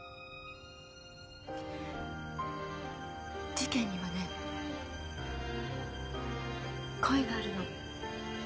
事件にはね声があるの。